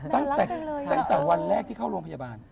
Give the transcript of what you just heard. ตั้งแต่วันแรกที่เข้าโรงพยาบาล